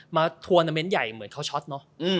ทัวร์นาเมนต์ใหญ่เหมือนเขาช็อตเนอะ